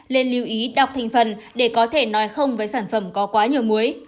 nên lưu ý đọc thành phần để có thể nói không với sản phẩm có quá nhiều muối